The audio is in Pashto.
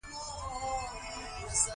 لرګی د قلمتراش جوړولو لپاره هم کاریږي.